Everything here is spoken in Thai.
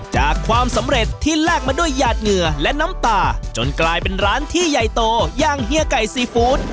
ความสำเร็จที่แลกมาด้วยหยาดเหงื่อและน้ำตาจนกลายเป็นร้านที่ใหญ่โตอย่างเฮียไก่ซีฟู้ด